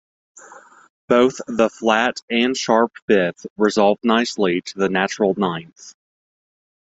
Both the flat and sharp fifth resolve nicely to the natural ninth.